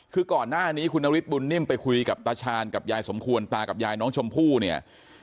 คือก่อนหน้านี้คุณนฤทธบุญนิ่มไปคุยกับตาชาญกับยายสมควรตากับยายน้องชมพู่เนี่ย